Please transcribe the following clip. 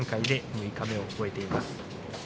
六日目を終えています。